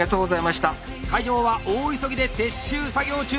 会場は大急ぎで撤収作業中！